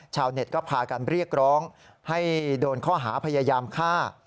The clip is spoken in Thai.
ชาวเน็ตก็พากันเรียกร้องให้โดนข้อหาพยายามฆ่า